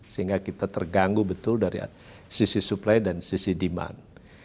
sehingga kita terganggu betul dari sisi supply dan sisi demand